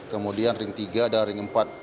kemudian ring tiga dan ring empat